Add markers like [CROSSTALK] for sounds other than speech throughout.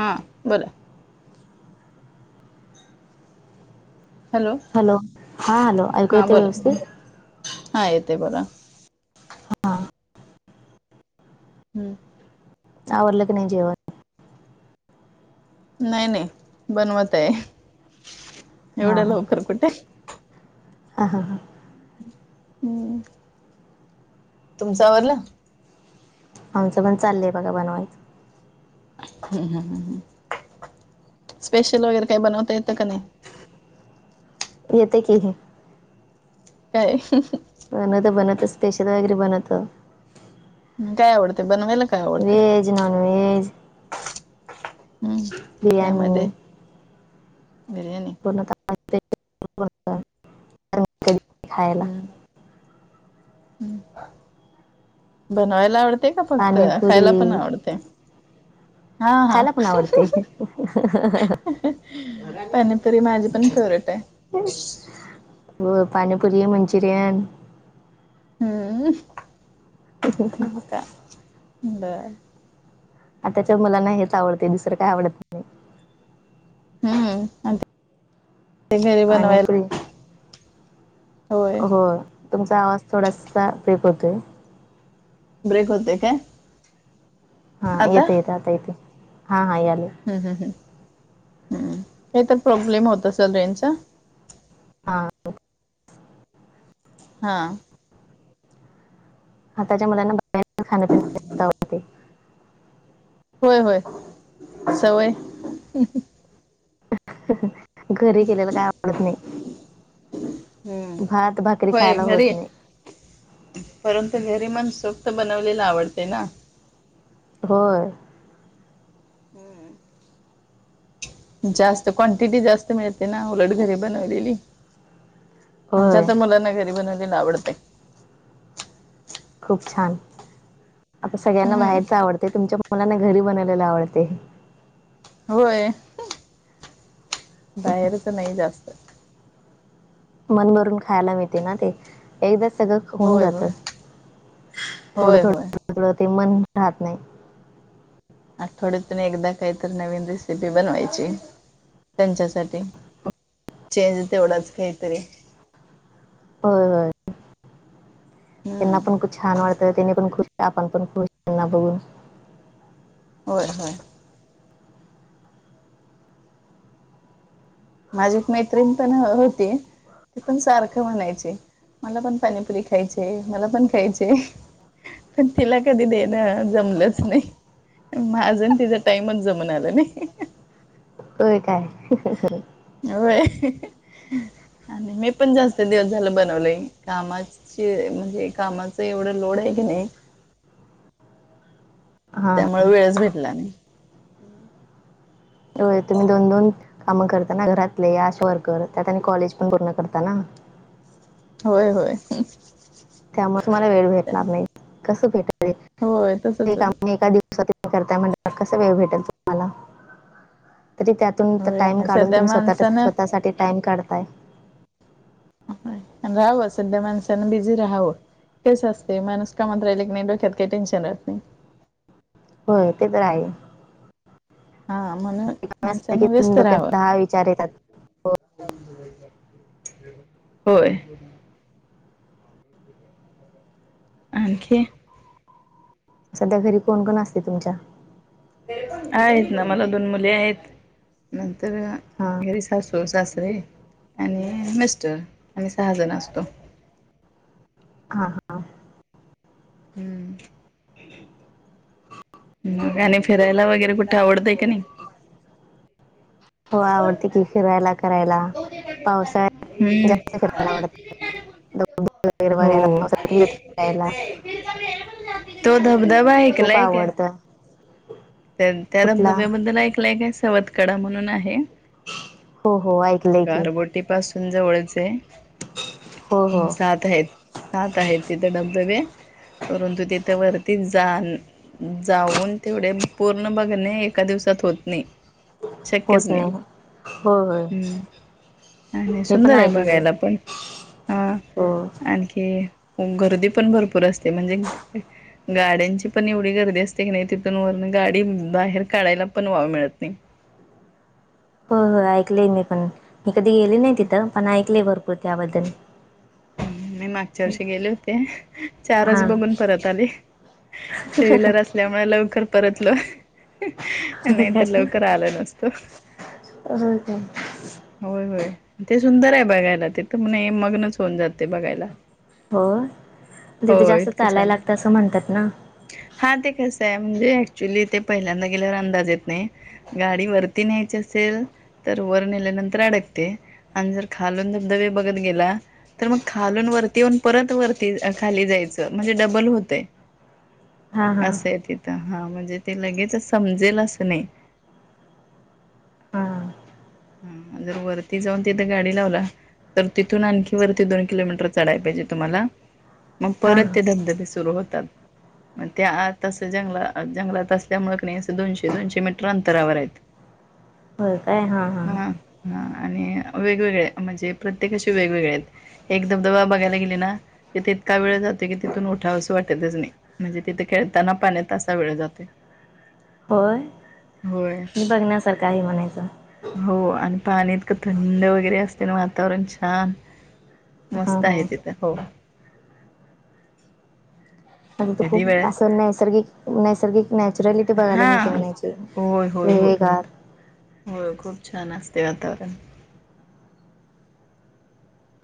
हां बलां. हॅलो. हा हॅलो ऐकू हा येते बोला व्यवस्थित. हा येतय बोला. हा हम्म. आवरल की नाही जेवण. नाही नाही बनवत आहे. एवढं लवकर कुठे? हां हां हां. हम्म. तुमचं आवरल. आमचं पण चालय बघा बनवायचं. हम् ह‌म‌् हम‌् हम‌्. स्पेशल वगैरे काही बनवता येतं का नाही? येते की ही. काय? हम हम. बनत बनत स्पेशल वगैरे बनत. म काय आवडतं बनवायला? काय आवडते वेज नॉन वेज. हम्म त्यामध्ये बिर्याणी बिर्याणी. [INAUDIBLE] [INAUDIBLE] ह बनवायला आवडते का फक्त खायला पण पाणीपुरी आवडते. हा हा खायला पण आवडते हम् हम‌् पाणीपुरी माझी पण फेवरेट आहे. व्ह पाणीपुरी मंचुरियन. हम्म ठउ का बर. आताच्या मला नाही हेच आवडते दुसरं काय आवडत. हम्म नाही घरी बनवायला. पाणीपुरी होय हो तुमचा आवाज थोडासा फेक होतोय. ब्रेक होते काय? हां येत येत आता येत हां हां यालय ह् ह ह ह् काय तर प्रॉब्लेम होत असल रेंजचा. हा हा. आताच्या मुलांना बाहेर खाणपिण ह [UNINTELLIGIBLE] होय होय सवय ह घरी केलेला काय आवडत नाही हम्म भात भाकरी होय खायला घरी होत नाही. परंतु घरी मनसोक्त बनवलेलं आवडतय ना, होय! हम्म! जास्त क्वांटिटी जास्त मिळते ना उलट घरी बनवलेली आमच्या होय तर मुलांना घरी बनवलेल आवडतय. खूप छान आता सगळ्यांना हम्म बाहेरच आवडते तुमच्या मुलांना घरी बनवलेला आवडते. होय बाहेरच नाही जास्त, मन भरून खायला मिळते ना ते एकदा सगळं होऊन होय जात होय थोडं होय थोड होय थोड ते मन राहत नाही. आठवड्यात एकदा काहीतरी नवीन रेसिपी बनवायची त्यांच्यासाठी, चेंज तेवढाच काहीतरी होय होय हम्म त्यांना पण खूप छान वाटतं त्यांनी पण खूप आपण पण खूष त्यांना बघून होय होय! माझी एक मैत्रिण पण होती. ती पण सारखं म्हणायची, मला पण पानीपुरी खायचीय मला पण खायचीय. पण तिला कधी देणं जमलंच नाही. माझं अन तिचा टाइमच जमुन आला नही. होय काय? होय. आणि मी पण जास्त दिवस झालं बनवलं नाही. कामाच म्हणजे कामाच एवढं लोड आहे की नाही, हा. म वेळच भेटला नाही. होय. तुम्ही दोन दोन कामं करता ना. घरातले, आशा वर्कर त्यात आणि कॉलेज पण पूर्ण करता ना. होय होय. त्यामुळे तुम्हाला वेळ भेटणार नाही. कस भेटल वेळ? होय सगळी तसच होत कामं एका दिवसात सात पूर्ण करताय म्हटल्यावर कसा वेळ भेटेल तुम्हाला? तरी त्यात तून होय टाइम काढून सध्या तुम्ही स्वतः माणसानं स्वतःसाठी टाइम काढताय. होय. अन राहावं, सध्या माणसान बिझी राहावं. तेच असते, माणूस कामात राहिलं की नाही, डोक्यात काय टेन्शन राहत नाही. होय. ते तर आहे. हा. म्हण काही काम नसलं की डोक्यात दहा विचार येतात. होय. आणखी? सध्या घरी कोण कोण असते तुमच्या? आहेत ना, मला दोन मुली आहेत. नंतर हा घरी सासू सू सासरे आणि मिस्टर. आम्ही सहा जण असतो. हा हा. हं. मग आणि फिरायला वगैरे कुठे आवडतंय का नाही? हो आवडते की. फिरायला करायला पावसाळ्यात हं. जास्त फिरायला आवडतं दगड वगैरे बघायला हो. पावसाळ्यात विहिरीत फिरायला तो धबधबा आहे. खूप आवडतं. तर त्या कुठला धबधब्याबद्दल ऐकलाय का? आहे सवत कडा म्हणून आहे. हो हो ऐकलंय की गारगोटी पासून जवळच हो हो आहे. सात आहेत. सात आहेत तिथं धबधबे. परंतु तिथ वरती जा न जाऊन तेवढे पूर्ण बघणे एका दिवसात होत नाही. शक्यच नाही. हो होय हं. आणि नाही मी पण सुंदर आहे ऐकले बघायला पण. हा. हो. आणखी, गर्दी पण भरपूर असते. म्हणजे गाड्यांची पण एवढी गर्दी असते की नाही. तिथून वरन गाडी बाहेर काढायला पण वाव मिळत नाही. हो हो ऐकलेय मी पण. मी कधी गेली नाही तिथं. पण ऐकलेय भरपूर त्याबद्दल. हं. मी मागच्या वर्षी गेले होते, चारज हा बघून परत आली. [UNINTELLIGIBLE] त्यामुळे लवकर परतलो. नाही काय तर लवकर आलं नसतो. हो का होय होय. ते सुंदर आहे बघायला. तीथ म नही मग्नच होऊन जाते बघायला. होय? तिथं हो जास्त इतकं चालायला छान आहे. लागतं असं म्हणतात ना? हा. ते कसं आहे म्हणजे ऍक्च्युली ते पहिल्यांदा गेल्यावर अंदाज येत नाही. गाडी वरती न्यायची असेल तर वर नेल्यानंतर अडकते आणि जर खालून धबधबे बघत गेला. तर मग खालून वरती येऊन परत वरती खाली जायचं म्हणजे डबल होतय. हा हा असंय तिथं हा म्हणजे ते लगेचच समजेल असं नाही. हमं. ह जर वरती जाऊन तिथे गाडी लावला. तर तिथून आणखी वरती दोन किलोमीटर चढाय पाहिजे तुम्हाला. मग हा परत ते धबधबे सुरू होतात. मग त्यातसं जंगला जंगलात असल्यामुळं नाही असं दोनशे दोनशे मीटर अंतरावर आहेत. होताय हा. हा हा आणि वेगवेगळे म्हणजे प्रत्येकाशी वेगवेगळे आहेत. एक धबधबा बघायला गेले ना तिथ इतका वेळ जातो की तिथून उठा असं वाटतच नाही. म्हणजे तिथे खेळताना पाण येत अससा वेळ जाते. होय होय. मी बघण्यासारखाही म्हणायचं. हो आणि पाणी इतकं थंड वगैरे असते ना वातावरण छान. हा मस्त आहे हा तिथं हो. आ त कधी खूप वेळ असं नैसर्गिक नैसर्गिक नॅचरलिटी बघाली हा मी ते म्हणायची. होय होय होय. हिरवेगार हो खूप छान असते वातावरण.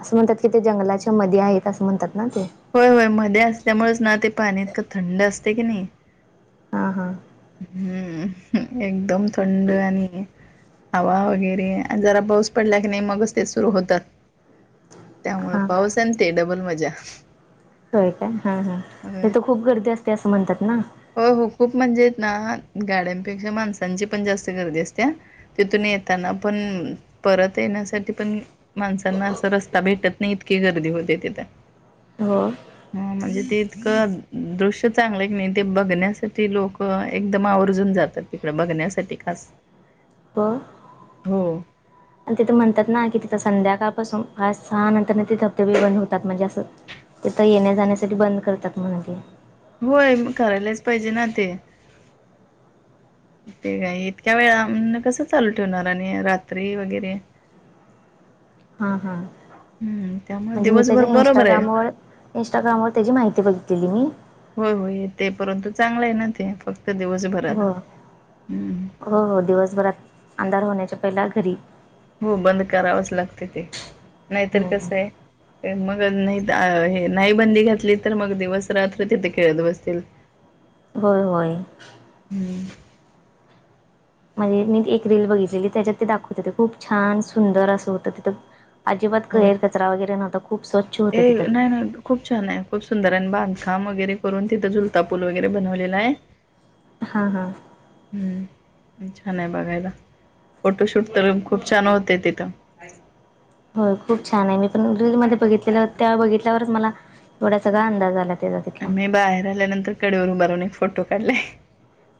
असं म्हणतात की ते जंगलाच्या मध्ये आहेत असं म्हणतात ना ते. होय होय मध्ये असल्यामुळेच ना ते पाणी इतकं थंड असते की नाही. हा हा. हम्म एकदम थंड आणि हवा वगैरे आणि जरा पाऊस पडला की नाही मगच ते सुरू होतात. त्यामुळे हा हा पाऊस आणि ते डबल मजा. हे होय तर खूप गर्दी असते असं म्हणतात ना हो हो खूप म्हणजेेत ना गाड्यांपेक्षा माणसांची पण जास्त गर्दी असते तिथून येताना पण परत येण्यासाठी पण माणसांना असं रस्ता भेटत नाही इतकी गर्दी होते तिथ. हो. ह म्हणजे ते इतकं दृश्य चांगलं क नाही. ते बघण्यासाठी लोक एकदम आवर्जून जातात तिकड बघण्यासाठी खास हो हो. आणि तिथं म्हणतात ना कि तिथं संध्याकाळपासून पा सहा नंतर ते धबधेबी बंद होतात म्हणजे असं तिथं येण्या जाण्यासाठी बंद करतात म्हण ते होय करायलाच पाहिजे ना ते ते काय इतक्या वेळा कसं चालू ठेवणार आणि रात्री वगैरे हम हम हम्म त्यामुळे म्हणजे मी दिवसभर त्याच्या बरोबर आहे. इंस्टाग्रामवर इंस्टाग्रामवर त्याची माहिती बघितलेली मी होय होय ते परंतु चांगलं आहे ना ते फक्त दिवसभरात हो ह् हो हो दिवसभरात अंधार होण्याच्या पहिला घरी हो बंद करावंच लागत ते नाहीतर हम्म कसं आहे मग नाही हे नाही बंदी घातली तर मग दिवस रात्र तिथे खेळत बसतील होय होय हम्म म्हणजे मी एक रील बघितलेली त्याच्यात ते दाखवत हो ते खूप छान सुंद असं होतं तिथं अजिबात होय. कैर कचरा वगैरेव्हता खूप स्वच्छतं ए तिथं त नाही नाही खूप छान आहे खूप सुंदर आणि बांधकाम वगैरे करून तिथं झुलता पूल वगैरे बनवलेला आहे हा हा हम्म छान आहे बघायला फोटोशूट तर खूप छान होते तिथं हो खूप छान आहे मी पण रीलल मध्ये बघितलेलं त्या बघितल्यावरच मला एवढा सगळा अंदाज आला त्याचा अन तिथला मी बाहेर आल्यानंतर कडेवर उभारून एक फोटो काढलाय.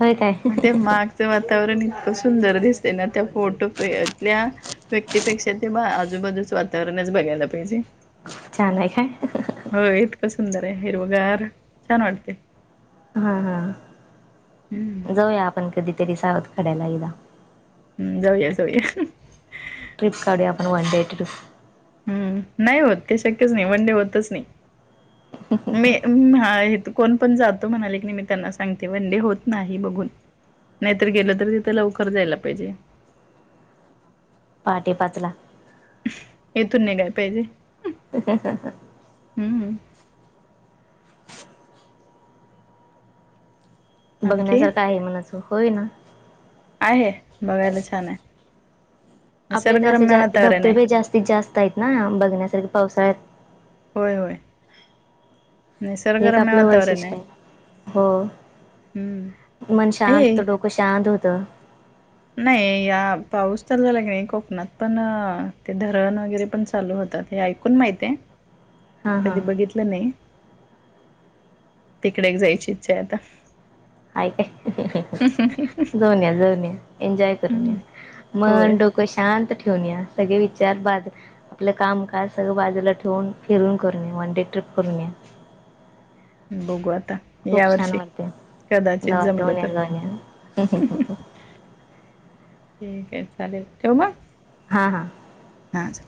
होय काय म ते मागचं वातावरण इतकं सुंदर दिसतय ना त्या फोटो प तल्या व्यक्तीपेक्षा ते आजूबाजूच वातावरणच बघायला पाहिजे. छानय काय? होय इतकं सुंदराय हिरवगार छान वाटतय. हा हा हम्म जाऊया आपण कधीतरी सावधकड्याला एकदा हम्म जाऊया जाऊया. ट्रिप काडूया आपण वन डेट ट्रिप हम्म नाही होत ते शक्यच नाही वनडे होतच नाही मे हम्म हा हित कोण पण जातो म्हणाले की नाही मी त्यांना सांगते वनडे होत नाही बघून नाहीतर गेलो तर तिथे लवकर जायला पाहिजे. पहाटे पाचला येथून निघाय पाहिजे. [INAUDIBLE] हम्म हम्म आणखी बघण्यासारखं आहे म्हणाच होय ना आहे बघायला छानय आपल्या इथे असे निसर्गरम्य जा वातावरणय. धबधबे जास्तीत जास्त स्तयतना बघण्यासारखे पावसाळ्यात होय होय. एक निसर्गरम्य आपलं वातावरण आहे. वैशिष्ट्यय हो हम्म मन शांत ये डोकं शांत होत. नाही या पाऊस चालू झाला की नाही कोकणात पण ते धरण वगैरे पण चालू होतात हे कोण माहिते. हा कधी हा बघितलं नाही तिकडे एक जायची इच्छा आहे आता हाय काय जाऊन या जाऊन या एन्जॉय करून या हम्म होय मग डो क शांत ठेवून या सगळे विचार बाजू आपलं कामकाज सगळं बाजूला ठेवून फिरून करून या वन डे ट्रिप करून या. बघू आता खूप या छान वर्षी वाटतय कदाचित जमलं जाऊन या तर जाऊन या ठीक आहे चालेल ठेवू म हा हा हा च